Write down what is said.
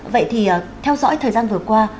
vậy thì theo dõi thời gian vừa qua